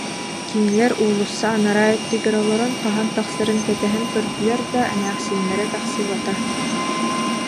Кинилэр уулусса анараа өттүгэр олорон хаһан тахсарын кэтэһэн көрдүлэр да, эмээхсиннэрэ тахсыбата